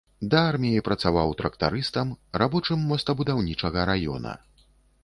Да арміі працаваў трактарыстам, рабочым мостабудаўнічага раёна.